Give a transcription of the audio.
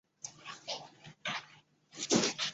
为外颈动脉的两条终末分支之一。